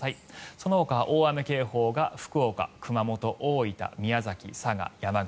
そのほか、大雨警報が福岡、熊本、大分宮崎、佐賀、山口。